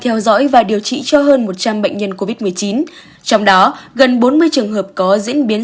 theo dõi và điều trị cho hơn một trăm linh bệnh nhân covid một mươi chín trong đó gần bốn mươi trường hợp có diễn biến